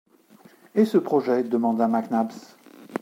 Et ce projet ? demanda Mac Nabbs.